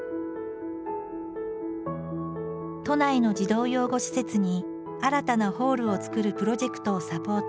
都内の児童養護施設に新たなホールを作るプロジェクトをサポート。